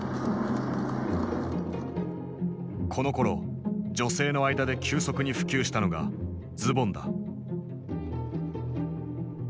このころ女性の間で急速に普及したのがズボンだ。